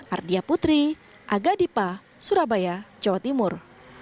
ardia putri aga dipa surabaya jawa timur